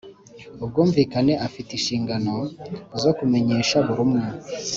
ubwumvikane afite inshingano zo kumenyesha buri umwe